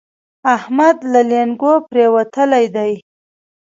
احمد له لېنګو پرېوتلی دی.